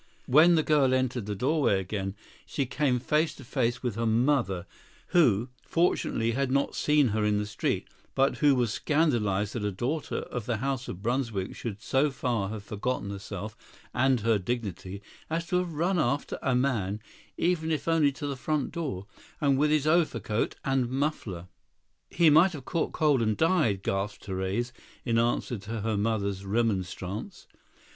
When the girl entered the doorway again, she came face to face with her mother, who, fortunately, had not seen her in the street, but who was scandalized that a daughter of the house of Brunswick should so far have forgotten herself and her dignity as to have run after a man even if only to the front door, and with his overcoat and muffler. "He might have caught cold and died," gasped Therese, in answer to her mother's remonstrance.